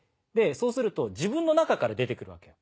そうすると自分の中から出て来るわけよ。